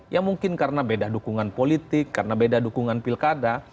ya mungkin karena beda dukungan politik karena beda dukungan pilkada